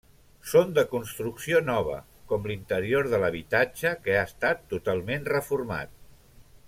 Són de construcció nova, com l’interior de l'habitatge que ha estat totalment reformat.